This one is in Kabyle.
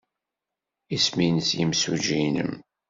Isem-nnes yimsujji-nnem?